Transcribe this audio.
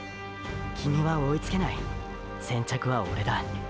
キミは追いつけない先着はオレだ。